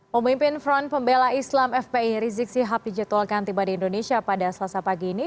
pemimpin front pembela islam fpi rizik sihab dijetulkan tiba di indonesia pada selasa pagi ini